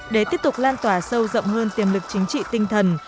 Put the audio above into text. để tiếp tục lan tỏa sâu rộng hơn tiềm lực chính trị tinh thần